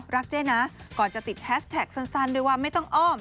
เจ๊นะก่อนจะติดแฮชแท็กสั้นด้วยว่าไม่ต้องอ้อม